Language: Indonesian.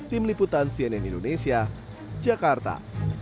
tim liputan cnn indonesia jakarta